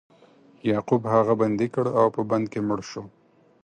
یعقوب هغه بندي کړ او په بند کې مړ شو.